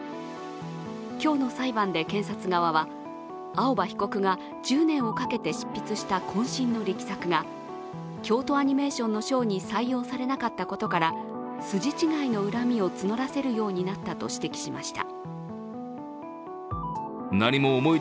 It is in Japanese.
今日の裁判で検察側は、青葉被告が１０年をかけて執筆したこん身の力作が京都アニメーションの賞に採用されなかったことから筋違いの恨みを募らせるようになったと指摘しました。